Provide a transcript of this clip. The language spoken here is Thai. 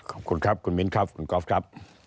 ขอบคุณครับคุณมิ้นครับคุณกอล์ฟครับ